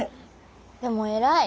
でもえらい！